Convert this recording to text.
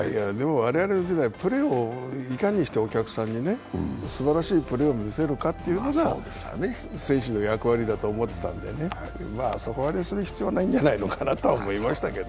我々の時代、プレーをいかにしてお客さんにすばらしいプレーを見せるというのが選手の役割だと思ってたんでね、そこまでする必要はないんじゃないかと思いますけど。